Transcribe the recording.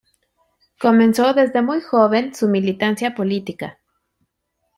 Comenzó desde muy joven su militancia política.